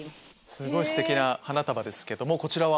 すごいステキな花束ですけどもこちらは？